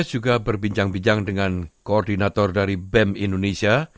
saya juga berbincang bincang dengan koordinator dari bem indonesia